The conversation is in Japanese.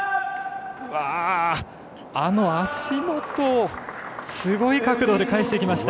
あの足元をすごい角度で返していきました。